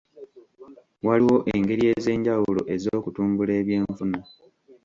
Waliwo engeri ez'enjawulo ez'okutumbula eby'enfuna.